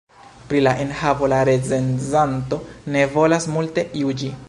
Pri la enhavo la recenzanto ne volas multe juĝi.